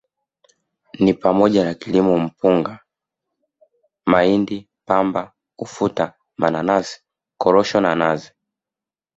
Ni pamoja na kilimo Mpunga Mahindi Pamba Ufuta Mananasi Korosho na Nazi